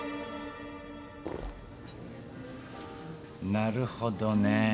なるほどね。